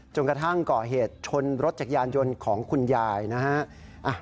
กระทั่งก่อเหตุชนรถจักรยานยนต์ของคุณยายนะฮะ